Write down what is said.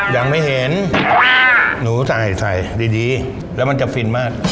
ยังไม่เห็นหนูใส่ใส่ดีแล้วมันจะฟินมาก